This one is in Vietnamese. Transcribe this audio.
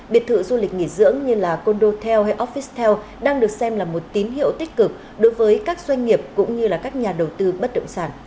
biệt thự du lịch nghỉ dưỡng như là condotel hay offistel đang được xem là một tín hiệu tích cực đối với các doanh nghiệp cũng như các nhà đầu tư bất động sản